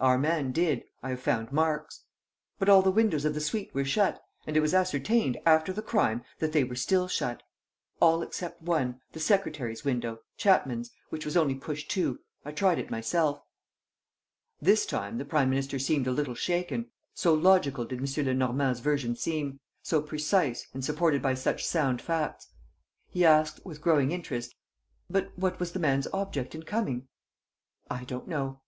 Our man did. I have found marks." "But all the windows of the suite were shut; and it was ascertained, after the crime, that they were still shut." "All except one, the secretary's window, Chapman's, which was only pushed to. I tried it myself." This time the prime minister seemed a little shaken, so logical did M. Lenormand's version seem, so precise and supported by such sound facts. He asked, with growing interest: "But what was the man's object in coming?" "I don't know."